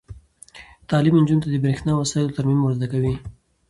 تعلیم نجونو ته د برښنايي وسایلو ترمیم ور زده کوي.